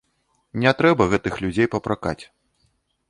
Не трэба гэтых людзей папракаць.